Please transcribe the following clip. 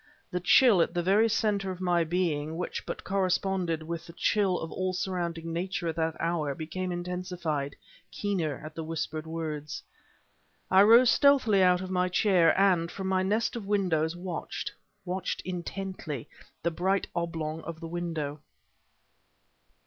The chill at the very center of my being, which but corresponded with the chill of all surrounding nature at that hour, became intensified, keener, at the whispered words. I rose stealthily out of my chair, and from my nest of shadows watched watched intently, the bright oblong of the window...